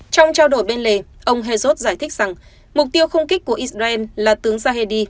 trong trao đổi bên lề ông hezod giải thích rằng mục tiêu không kích của israel là tướng zahedi